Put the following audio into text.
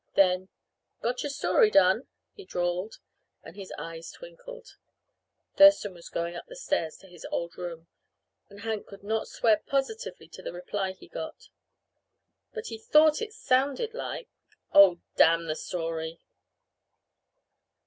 Then, "Got your story done?" he drawled, and his eyes twinkled. Thurston was going up the stairs to his old room, and Hank could not swear positively to the reply he got. But he thought it sounded like, "Oh, damn the story!"